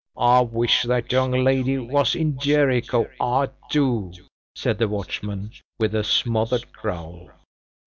I wish that young lady was in Jerico I do!" said the watchman, with a smothered growl.